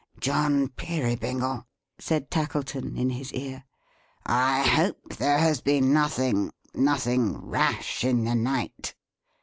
"John Peerybingle," said Tackleton, in his ear. "I hope there has been nothing nothing rash in the night."